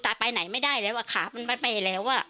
ตายไปไหนไม่ได้แล้วขามันไปแล้วอะ